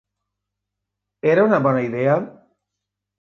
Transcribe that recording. Era una bona idea?